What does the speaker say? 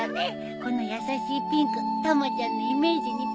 この優しいピンクたまちゃんのイメージにぴったりだよ。